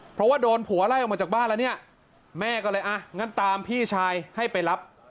เพราะว่าโดนผัวไล่ออกมาจากบ้านแล้วเนี่ยแม่ก็เลยอ่ะงั้นตามพี่ชายให้ไปรับ